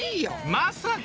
まさか！